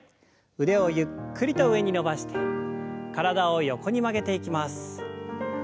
腕をゆっくりと上に伸ばして体を横に曲げていきます。